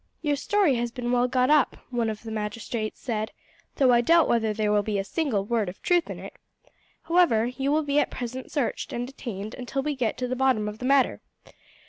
"Your story has been well got up," one of the magistrates said, "though I doubt whether there be a single word of truth in it. However, you will be at present searched, and detained until we get to the bottom of the matter.